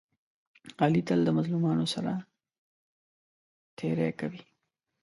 علي تل د مظلومانو سره تېری کوي.